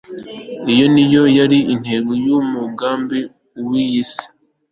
iyo niyo yari intego ya umugambi we w'isi